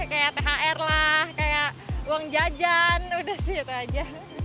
kayak thr lah kayak uang jajan udah sih gitu aja